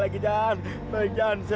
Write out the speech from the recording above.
nah itu tarzan pak